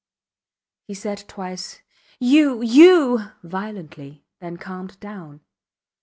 He said twice, You! You! violently, then calmed down.